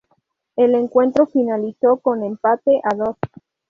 El encuentro finalizó con empate a dos.